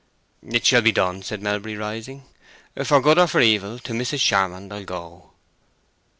"It shall be done," said Melbury, rising. "For good or for evil, to Mrs. Charmond I'll go."